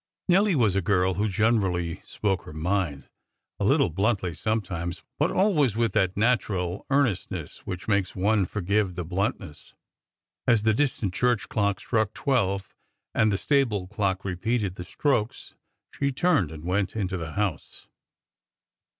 Nelly was a girl who generally spoke her mind; a little bluntly sometimes, but always with that natural earnestness which makes one forgive the bluntness. As the distant church clock struck twelve, and the stable clock repeated the strokes, she turned and went into the house.